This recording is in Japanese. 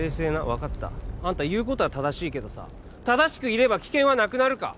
分かったあんた言うことは正しいけどさ正しくいれば危険はなくなるか？